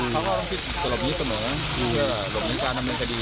เขาก็ต้องพิจารณ์ปรบนี้เสมอเพื่อหลบในการดำเนินคดี